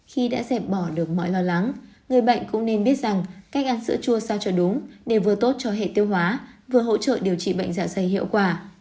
khi đã dẹp bỏ được mọi lo lắng người bệnh cũng nên biết rằng cách ăn sữa chua sao cho đúng để vừa tốt cho hệ tiêu hóa vừa hỗ trợ điều trị bệnh dạ dày hiệu quả